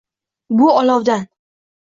Shu olovdan